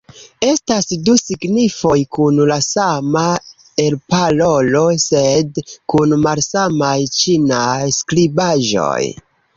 Estas du signifoj kun la sama elparolo sed kun malsamaj ĉinaj skribaĵoj.